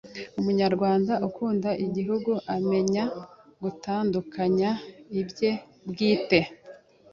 Umunyarwanda ukunda igihugu amenya gutandukanya ibye bwite